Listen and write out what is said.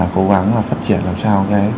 cố gắng phát triển làm sao